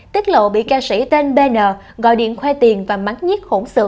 tiết lộ bị ca sĩ tên bn gọi điện khoe tiền và mắng nhất hỗn sự